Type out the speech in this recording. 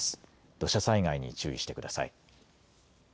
土砂災害に注意してください。